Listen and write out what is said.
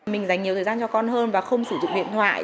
mình dành nhiều thời gian cho con hơn và không sử dụng điện thoại